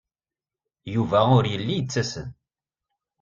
Yuba ur yelli yettasem.